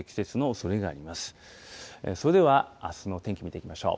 それではあすの天気見ていきましょう。